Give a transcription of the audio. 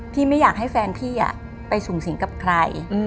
ไม่อยากให้แฟนพี่ไปสูงสิงกับใคร